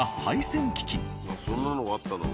そんなのがあったの。